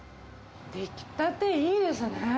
出来たていいですね。